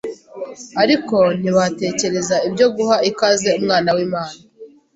Ariko ntibatekereza ibyo guha ikaze Umwana w'Imana.